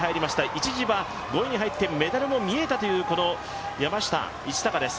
一時は５位に入ってメダルも見えた山下一貴です。